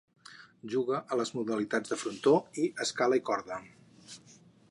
Juga a les modalitats de frontó i escala i corda.